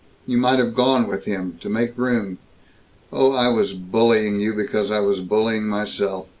You might have gone with him, to make room Oh, I was bullying you because I was bullying myself!